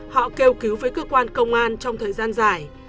họ kêu cứu với cơ quan công an trong thời gian dài